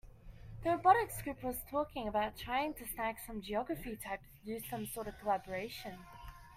The robotics group was talking about trying to snag some geography types to do some sort of collaboration.